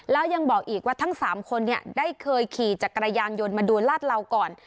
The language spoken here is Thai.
แล้วยังบอกอีกว่าทั้ง๓คนได้เคยขี่จักรยานยนต์มาดูลาดเหลาก่อน